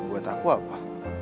doa buat aku apa